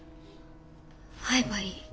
会えばいい。